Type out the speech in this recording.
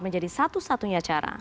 menjadi satu satunya cara